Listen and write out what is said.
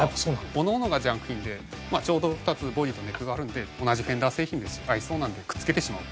おのおのがジャンク品でちょうど２つボディとネックがあるので同じフェンダー製品で合いそうなのでくっつけてしまおうと。